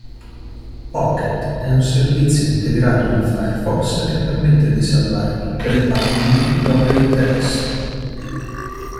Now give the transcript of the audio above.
Pocket è un servizio integrato in Firefox che permette di salvare tutte le pagine di proprio interesse.